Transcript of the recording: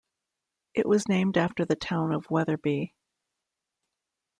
It was named after the town of Wetherby.